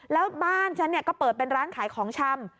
แล้วบ้านฉันก็เปิดเป็นร้านขายของชำ